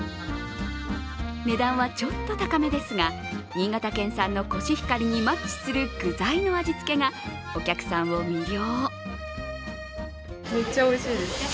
値段はちょっと高めですが、新潟県産のコシヒカリにマッチする具材の味付けがお客さんを魅了。